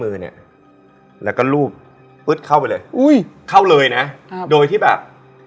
อืมเรารู้สึกว่าเข้าไหม